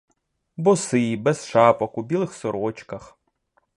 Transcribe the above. Босий, без шапок, у білих сорочках.